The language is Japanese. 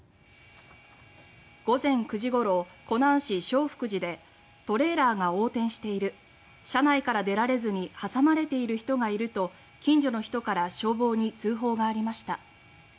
午前９時ごろ湖南市正福寺で「トレーラーが横転している車内から出られずに挟まれている人がいる」と近所の人から消防に通報がありました。